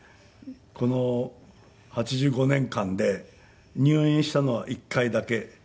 この８５年間で入院したのは１回だけ。